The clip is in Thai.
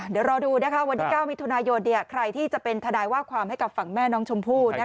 เดี๋ยวรอดูวันที่๙มิถุนายนใครที่จะเป็นทนายว่าความให้กับฝั่งแม่น้องชมพู่